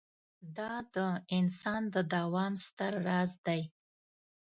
دا د انسان د دوام ستر راز دی.